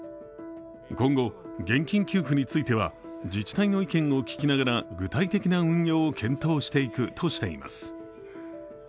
今後、現金給付については自治体の意見を聞きながら具体的な運用を検討しています。